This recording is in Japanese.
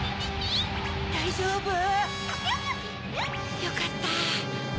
よかった。